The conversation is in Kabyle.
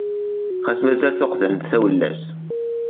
Xas mazal tuqqda n tawla-s.